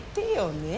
ねえ？